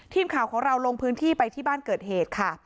ทีมข่าวของเราลงพื้นที่ไปที่บ้านเกิดเหตุค่ะ